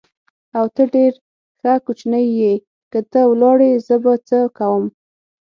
او، ته ډېر ښه کوچنی یې، که ته ولاړې زه به څه کوم؟